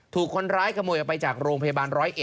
ถูกคนร้ายขโมยออกไปจากโรงพยาบาล๑๐๑